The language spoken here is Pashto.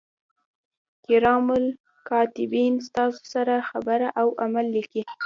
کرام الکاتبین ستاسو هره خبره او عمل لیکي.